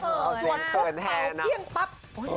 ส่วนพวกเขาเพียงปั๊บ